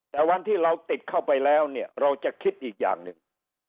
แต่วันที่เราติดเข้าไปแล้วเนี่ยเราจะคิดอีกอย่างหนึ่ง